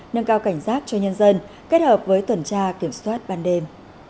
nâng cao cảnh giác cho nhân dân kết hợp với tuần tra kiểm soát ban đêm